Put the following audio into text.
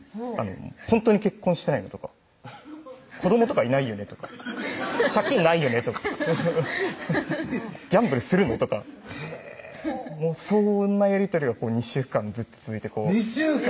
「ほんとに結婚してないの？」とか「子どもとかいないよね？」とか「借金ないよね？」とか「ギャンブルするの？」とかへぇそんなやり取りが２週間ずっと続いて２週間！